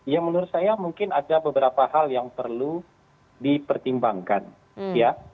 ya menurut saya mungkin ada beberapa hal yang perlu dipertimbangkan ya